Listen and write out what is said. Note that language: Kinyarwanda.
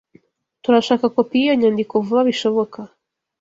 Turashaka kopi yiyo nyandiko vuba bishoboka.